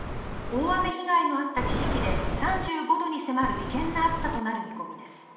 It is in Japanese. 大雨被害のあった地域で３５度に迫る危険な暑さとなる見込みです。